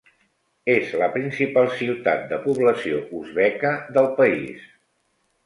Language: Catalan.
És la principal ciutat de població uzbeka del país.